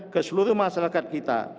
ke seluruh masyarakat kita